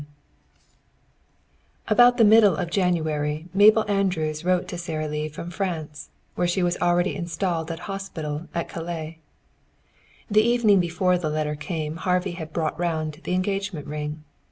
II About the middle of January Mabel Andrews wrote to Sara Lee from France, where she was already installed in a hospital at Calais. The evening before the letter came Harvey had brought round the engagement ring.